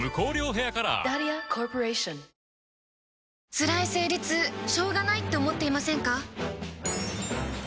つらい生理痛しょうがないって思っていませんか？